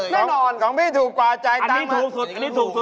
แน่นอนของพี่ถูกกว่าจ่ายตังค์ถูกสุดอันนี้ถูกสุด